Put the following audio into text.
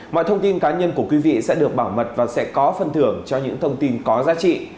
mọi thông tin cá nhân của quý vị sẽ được bảo mật và sẽ có phân thưởng cho những thông tin có giá trị